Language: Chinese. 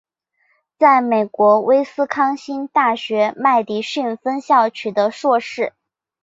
在美国威斯康辛大学麦迪逊分校取得硕士。